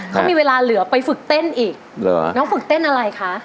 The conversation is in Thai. เขามีเวลาเหลือไปฝึกเต้นอีกน้องฝึกเต้นอะไรคะ